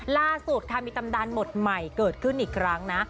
ล่าสุดค่ะมีตำนานหมดใหม่เกิดขึ้นอีกครั้งนะ